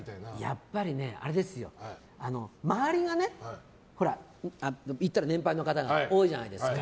やっぱりね、周りが言ったら年配の方が多いじゃないですか。